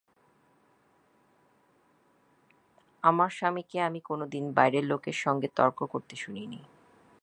আমার স্বামীকে আমি কোনোদিন বাইরের লোকের সঙ্গে তর্ক করতে শুনি নি।